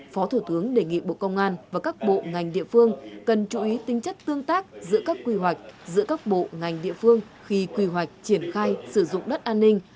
phó thủ tướng đề nghị bộ công an và các bộ ngành địa phương cần chú ý tính chất tương tác giữa các quy hoạch giữa các bộ ngành địa phương khi quy hoạch triển khai sử dụng đất an ninh